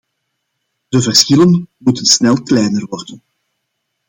De verschillen moeten snel kleiner worden.